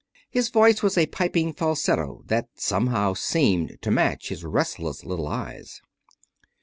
His voice was a piping falsetto that somehow seemed to match his restless little eyes.